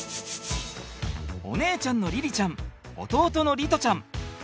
お姉ちゃんの凛々ちゃん弟の璃士ちゃん。